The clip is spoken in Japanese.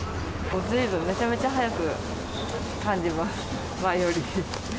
ずいぶん、めちゃめちゃはやく感じます、前より。